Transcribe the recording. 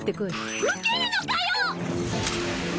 受けるのかよ！